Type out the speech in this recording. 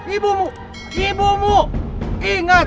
ibumu ibumu ingat